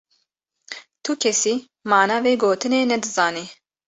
Tukesî mana vê gotine ne dizanî.